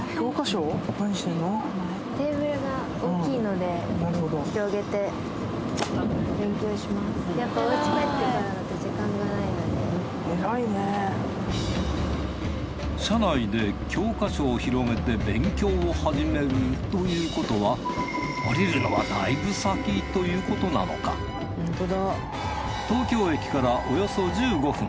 では東北上越東海道車内で教科書を広げて勉強を始めるということは東京駅からおよそ１５分。